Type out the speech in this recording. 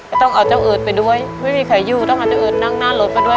อาจจะเอิดไปด้วยไม่มีใครอยู่ต้องอาจจะเอิดนั่งหน้าลดไปด้วย